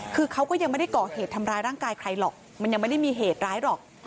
คือเขาก็ยังไม่ได้ก่อเหตุทำร้ายร่างกายใครหรอกมันยังไม่ได้มีเหตุร้ายหรอก